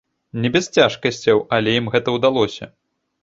Не без цяжкасцяў, але ім гэта ўдалося.